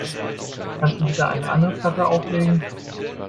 Kannst du bitte eine andere Platte auflegen?